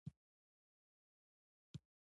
قران کریم دالله ج له لوری په محمد ص نازل شوی دی.